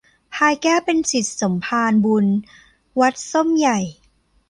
พลายแก้วเป็นศิษย์สมภารบุญ วัดส้มใหญ่